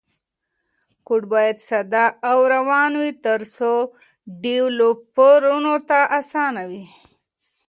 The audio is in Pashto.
کوډ باید ساده او روان وي ترڅو ډیولپرانو ته اسانه وي.